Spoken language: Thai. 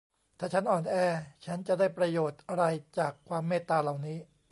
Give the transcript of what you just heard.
ถ้าฉันอ่อนแอ ฉันจะได้ประโยชน์อะไรจากความเมตตาเหล่านี้